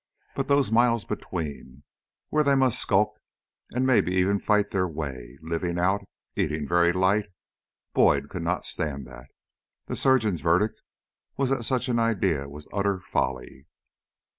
But those miles between, where they must skulk and maybe even fight their way living out, eating very light Boyd could not stand that. The surgeon's verdict was that such an idea was utter folly.